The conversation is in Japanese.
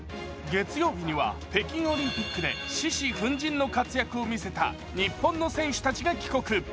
月曜日には北京オリンピックで獅子奮迅の活躍を見せた日本の選手たちが帰国。